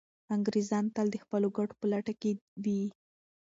انګریزان تل د خپلو ګټو په لټه کي وي.